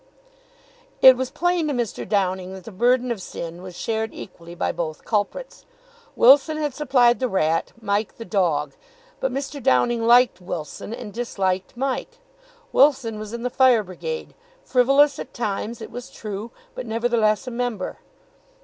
It was plain to Mr. Downing that the burden of sin was shared equally by both culprits. Wilson had supplied the rat, Mike the dog; but Mr. Downing liked Wilson and disliked Mike. Wilson was in the Fire Brigade, frivolous at times, it was true, but nevertheless a member.